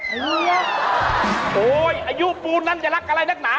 โอ้โหอายุปูนนั้นจะรักอะไรนักหนา